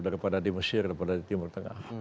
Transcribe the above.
daripada di mesir daripada di timur tengah